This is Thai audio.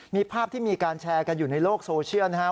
มีภาพที่มีการแชร์กันอยู่ในโลกโซเชียลนะครับ